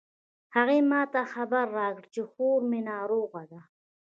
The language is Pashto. هغې ما ته خبر راکړ چې خور می ناروغه ده